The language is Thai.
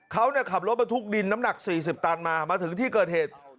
เขาขับรถบรรทุกดินน้ำหนัก๔๐ตันมามาถึงที่เกิดเหตุ